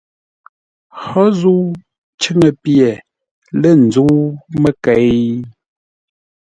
Hó zə̂u cʉ́ŋə pye lə̂ nzə́u məkei?